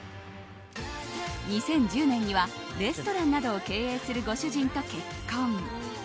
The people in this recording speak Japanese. ２０１０年にはレストランなどを経営するご主人と結婚。